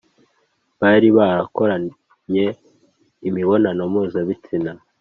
bari barakoranye imibonano mpuzabitsina